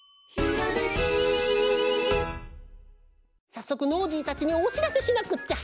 さっそくノージーたちにおしらせしなくっちゃ！